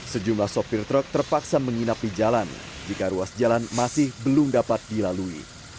sejumlah sopir truk terpaksa menginap di jalan jika ruas jalan masih belum dapat dilalui